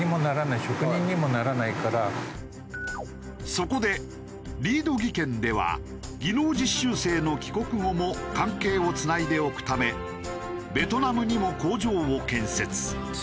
そこでリード技研では技能実習生の帰国後も関係をつないでおくためベトナムにも工場を建設。